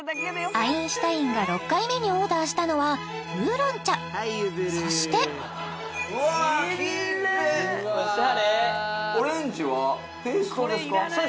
アインシュタインが６回目にオーダーしたのはウーロン茶そしてうわあきれい！